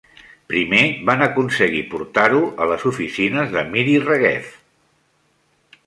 Primer, van aconseguir portar-ho a les oficines de Miri Regev.